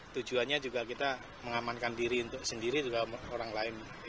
tujuannya juga kita mengamankan diri sendiri juga orang lain